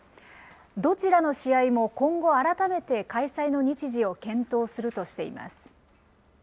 どちらの試合も、今後、改めて開催の日時を検討するとしています。